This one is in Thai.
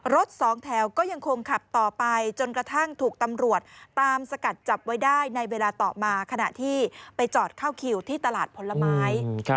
รถสองแถวก็ยังคงขับต่อไปจนกระทั่งถูกตำรวจตามสกัดจับไว้ได้ในเวลาต่อมาขณะที่ไปจอดเข้าคิวที่ตลาดผลไม้